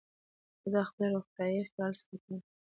زه د خپلي روغتیا خیال ساتم.